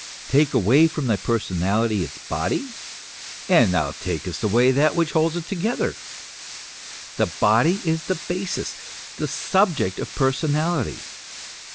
Take away from thy per sonality its body, and thou takest away that which holds it together. The body is the basis, the subject of personality.